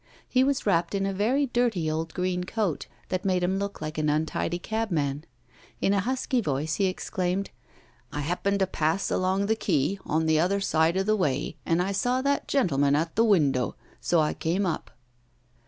He was wrapped in a very dirty old green coat, that made him look like an untidy cabman. In a husky voice, he exclaimed: 'I happened to pass along the quay, on the other side of the way, and I saw that gentleman at the window. So I came up.